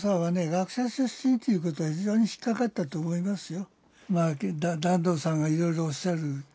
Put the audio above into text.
学者出身ということが非常に引っ掛かったと思いますよ。